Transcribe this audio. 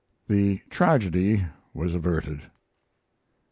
The tragedy was averted.